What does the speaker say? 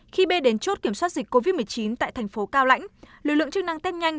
khi bê đến chốt kiểm soát dịch covid một mươi chín tại thành phố cao lãnh lực lượng chức năng test nhanh